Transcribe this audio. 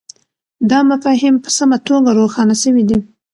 دا مفاهیم په سمه توګه روښانه سوي دي.